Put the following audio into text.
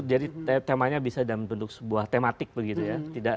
jadi temanya bisa dalam bentuk sebuah tematik begitu ya